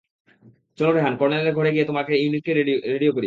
চলো রেহান, কর্নেল এর ঘরে গিয়ে তোমার ইউনিট কে রেডিও করি।